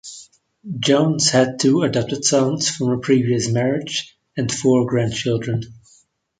Jones had two adopted sons from a previous marriage, and four grandchildren.